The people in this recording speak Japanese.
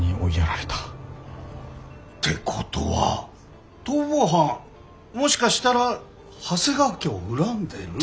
てことは逃亡犯もしかしたら長谷川家を恨んでる？